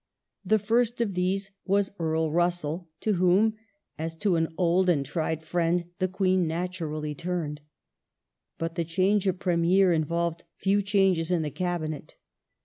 The first of these was Earl Russell to^"^^^*'^ whom, as to " an old and tried friend," the Queen naturally turned, ministry, But the change of Premier involved few changes in the Cabinet.